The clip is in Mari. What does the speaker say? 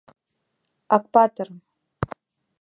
Акпатыр.